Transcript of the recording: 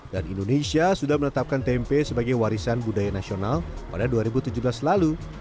dan indonesia sudah menetapkan tempe sebagai warisan budaya nasional pada dua ribu tujuh belas lalu